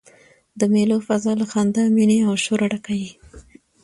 د مېلو فضاء له خندا، میني او شوره ډکه يي.